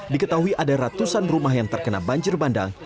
diketahui ada ratusan rumah yang terkena banjir bandang